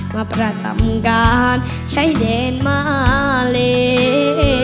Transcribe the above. มาประจำการใช้เดนมาเล